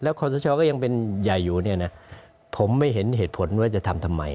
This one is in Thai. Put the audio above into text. ขอสชก็ยังเป็นใหญ่อยู่เนี่ยนะผมไม่เห็นเหตุผลว่าจะทำทำไม